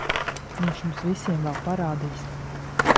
Viņš jums visiem vēl parādīs...